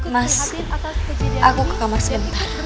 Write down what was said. mas aku ke kamar sebentar